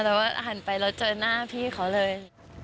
แล้วก็หันไปแล้วเจอหน้าพี่เขาเลย